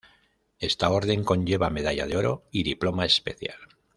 Esta orden conlleva medalla de oro y diploma especial.